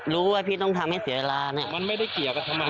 ว่าพี่ต้องทำให้เสียเวลาเนี่ยมันไม่ได้เกี่ยวกับทำไม